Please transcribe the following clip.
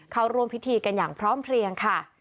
เข้าร่วมพิธีกันอย่างพร้อมเพลียงค่ะ